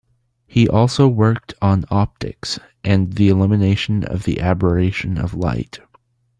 He also worked on optics and the elimination of the aberration of light.